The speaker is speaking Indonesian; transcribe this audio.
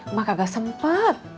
emak kagak sempet